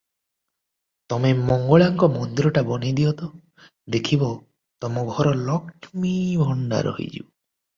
ତମେ ମଙ୍ଗଳାଙ୍କ ମନ୍ଦିରଟା ବନାଇଦିଅ ତ, ଦେଖିବ ତମ ଘର ଲକ୍ଷ୍ମୀ ଭଣ୍ତାର ହୋଇଯିବ ।